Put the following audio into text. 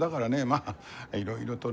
まあいろいろとね。